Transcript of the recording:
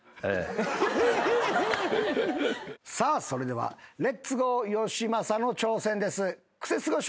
さあそれではレッツゴーよしまさの挑戦です。